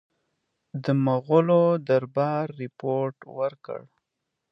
د مغولو دربار رپوټ ورکړ.